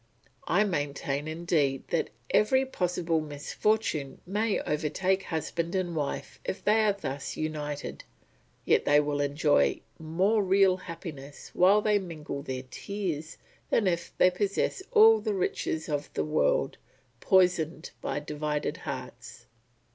I maintain indeed that every possible misfortune may overtake husband and wife if they are thus united, yet they will enjoy more real happiness while they mingle their tears, than if they possessed all the riches of the world, poisoned by divided hearts.